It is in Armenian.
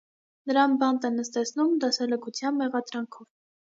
Նրան բանտ են նստեցնում դասալքության մեղադրանքով։